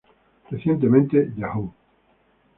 Recientemente, Yahoo!